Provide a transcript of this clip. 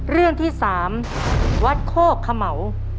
เรื่องที่สามวัดโค่ขมัว